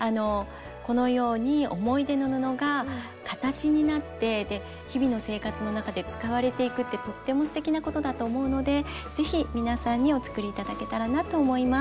このように思い出の布が形になってで日々の生活の中で使われていくってとってもすてきなことだと思うのでぜひ皆さんにお作り頂けたらなと思います。